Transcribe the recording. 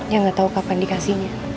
ya gak tau kapan dikasihnya